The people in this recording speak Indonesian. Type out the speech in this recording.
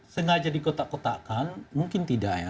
sengaja dikotak kotakkan mungkin tidak ya